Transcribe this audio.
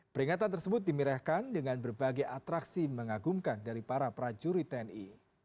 peringatan tersebut dimirehkan dengan berbagai atraksi mengagumkan dari para prajurit tni